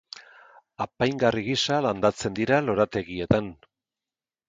Apaingarri gisa landatzen dira lorategietan.